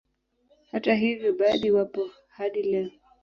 Hata hivyo baadhi wapo hadi leo